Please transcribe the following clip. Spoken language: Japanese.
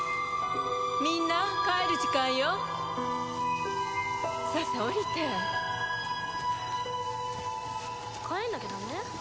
・みんな帰る時間よさあさ降りて・帰んなきゃダメ？